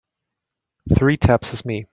Three taps is me.